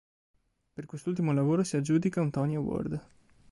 Per quest'ultimo lavoro si aggiudica un Tony Award.